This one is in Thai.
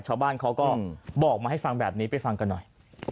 ชาวบ้านเขาก็บอกมาให้ฟังแบบนี้ไปฟังกันหน่อย